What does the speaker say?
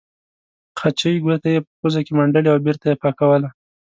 خچۍ ګوته یې په پوزه کې منډلې او بېرته یې پاکوله.